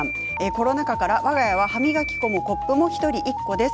コロナ禍からわが家は歯磨き粉もコップも１人１個です。